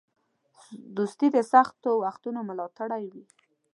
دوستي د سختو وختونو ملاتړی وي.